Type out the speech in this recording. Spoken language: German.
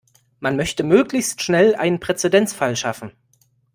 Man möchte möglichst schnell einen Präzedenzfall schaffen.